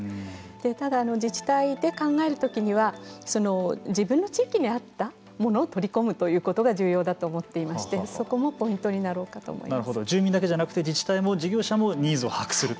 ただ、自治体で考えるときには自分の地域に合ったものを取り込むということが重要だと思っていまして住民だけじゃなくて自治体も事業者も把握すると。